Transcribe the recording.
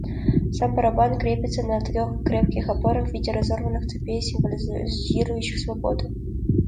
Сам барабан крепится на трех крепких опорах в виде разорванных цепей, символизирующих свободу.